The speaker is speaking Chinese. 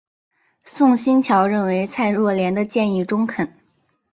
宋欣桥认为蔡若莲的建议中肯。